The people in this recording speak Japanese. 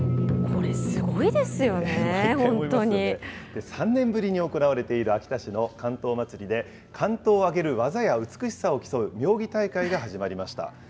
これ、すごいですよね、本当に。３年ぶりに行われている秋田市の竿燈まつりで竿燈を上げる技や美しさを競う妙技大会が始まりました。